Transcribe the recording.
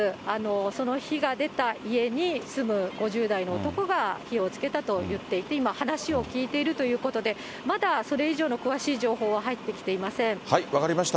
その火が出た家に住む５０代の男が火をつけたと言っていて、話を聞いているということで、まだそれ以上の詳しい情報は入ってきて分かりました。